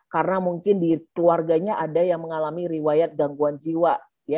karena mungkin di keluarganya ada yang mengalami riwayat gangguan jiwa